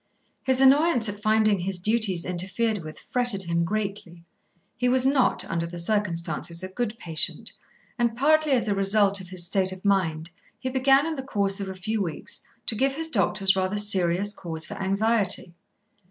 His annoyance at finding his duties interfered with fretted him greatly. He was not, under the circumstances, a good patient, and, partly as a result of his state of mind, he began, in the course of a few weeks, to give his doctors rather serious cause for anxiety.